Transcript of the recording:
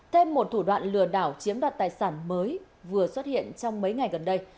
thêm một thủ đoạn lừa đảo chiếm đoạt tài sản mới vừa xuất hiện trong mấy ngày gần đây